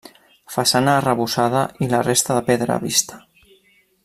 Façana arrebossada i la resta de pedra vista.